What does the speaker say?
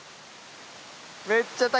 めっちゃ滝！